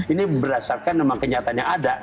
ini berdasarkan memang kenyataannya ada